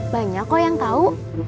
banyak kok yang tau